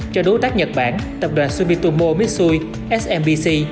cho đối tác nhật bản tập đoàn subitomo mitsui smbc